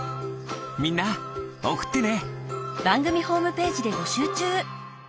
みんなおくってね。